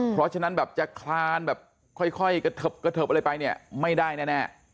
เพราะฉะนั้นแบบจะคลานแบบค่อยกระเทิบกระเทิบอะไรไปเนี่ยไม่ได้แน่